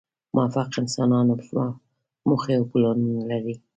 موفق انسانان موخې او پلانونه لري.